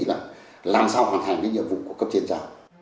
là làm sao hoàn thành cái nhiệm vụ của cấp chiến trả